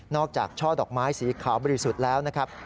จากช่อดอกไม้สีขาวบริสุทธิ์แล้วนะครับ